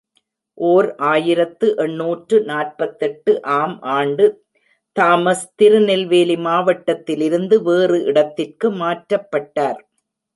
ஓர் ஆயிரத்து எண்ணூற்று நாற்பத்தெட்டு ஆம் ஆண்டு தாமஸ் திருநெல்வேலி மாவட்டத்திலிருந்து வேறு இடத்திற்கு மாற்றப்பட்டார்.